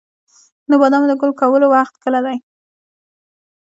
د بادامو د ګل کولو وخت کله دی؟